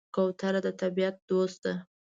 کوتره د طبیعت دوست ده.